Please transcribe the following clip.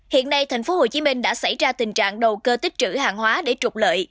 hiện nay tp hcm đã xảy ra tình trạng đầu cơ tích trữ hàng hóa để trục lợi